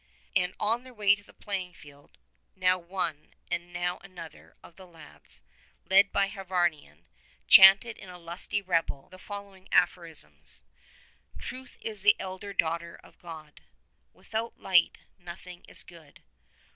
And on their way to the playing field now one and now another of the lads, led by Hyvarnion, chanted in a lusty reble the following aphorisms : "Truth is the elder daughter of God." "Without light nothing is good."